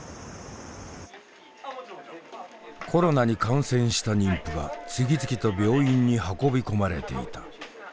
コロナに感染した妊婦が次々と病院に運び込まれていた。